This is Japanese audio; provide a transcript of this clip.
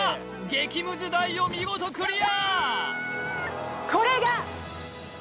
激ムズ台を見事クリア！